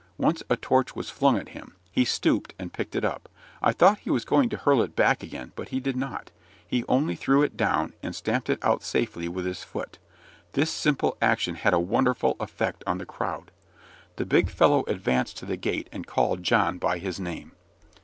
Once a torch was flung at him he stooped and picked it up. I thought he was going to hurl it back again, but he did not; he only threw it down, and stamped it out safely with his foot. This simple action had a wonderful effect on the crowd. The big fellow advanced to the gate and called John by his name.